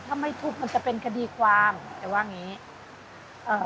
ถ้าไม่ทุบมันจะเป็นคดีความแต่ว่าอย่างงี้เอ่อ